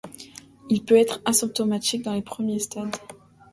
Il peut être asymptomatique dans les premiers stades.